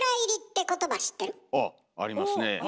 あっありますね。